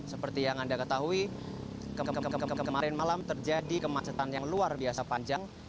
seperti yang anda ketahui kemarin malam terjadi kemacetan yang luar biasa panjang